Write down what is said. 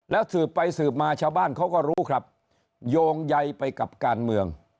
แล้วสืบไปสืบมาชาวบ้านเขาก็รู้ครับโยงใยไปกับการเมือง